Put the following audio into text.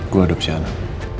gue adopsi anak